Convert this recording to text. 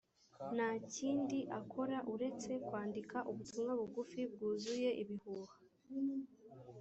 nta kindi akora uretse kwandika ubutumwa bugufi bwuzuye ibihuha